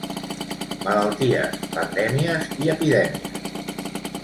Malalties, pandèmies i epidèmies.